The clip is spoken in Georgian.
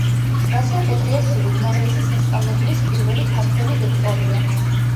ვასილ პეტრიაშვილი უმაღლესი სასწავლებლის პირველი ქართველი რექტორია.